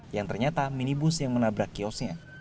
yang ternyata minibus yang menabrak kiosnya